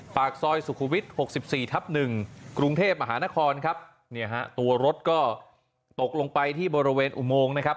ปากซอยสุขุวิต๖๔ทับ๑กรุงเทพมหานครครับเนี่ยฮะตัวรถก็ตกลงไปที่บริเวณอุโมงนะครับ